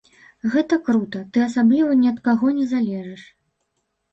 Гэта крута, ты асабліва ні ад каго не залежыш.